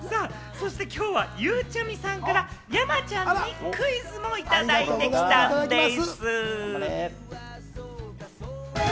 そして今日は、ゆうちゃみさんから山ちゃんにクイズもいただいてきたんでぃす。